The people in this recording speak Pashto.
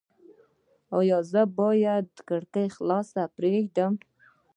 ایا زه باید کړکۍ خلاصه پریږدم؟